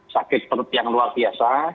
sakit perut yang luar biasa